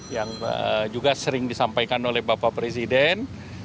yang juga sering disampaikan oleh bapak presiden